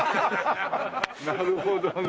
なるほどね。